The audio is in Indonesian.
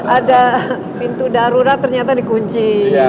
ada pintu darurat ternyata di kunci